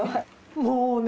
もうね